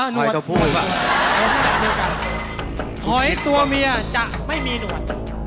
หอยตัวเมียจะไม่มีโน่น